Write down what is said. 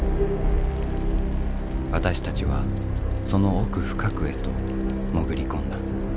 私たちはその奥深くへと潜り込んだ。